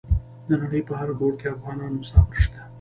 د نړۍ په هر ګوټ کې افغانان مسافر شته.